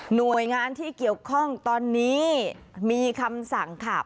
หน่วยงานที่เกี่ยวข้องตอนนี้มีคำสั่งค่ะ